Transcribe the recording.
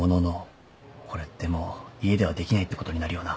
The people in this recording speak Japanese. これってもう家ではできないってことになるよな。